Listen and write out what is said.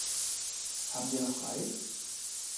Haben wir noch Reis?